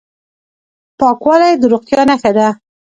پاکوالی د روغتیا نښه ده.